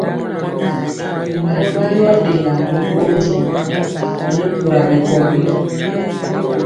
Matwa yɔ ɗelaa to ɓɔndi ɔnɛ nkura mɛkɔgi.